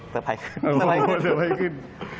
เซอร์ไพรส์ขึ้น